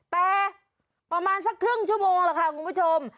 แต่ประมาณสักครึ่งชั่วโมงแล้วค่ะคุณผู้ชม